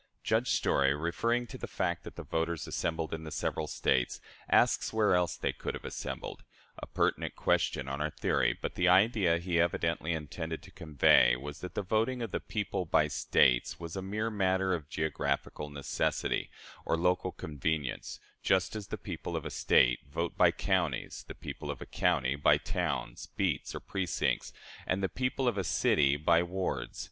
Judge Story, referring to the fact that the voters assembled in the several States, asks where else they could have assembled a pertinent question on our theory, but the idea he evidently intended to convey was that the voting of "the people" by States was a mere matter of geographical necessity, or local convenience; just as the people of a State vote by counties; the people of a county by towns, "beats," or "precincts"; and the people of a city by wards.